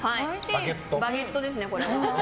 バゲットですね、これは。